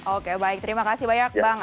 oke baik terima kasih banyak bang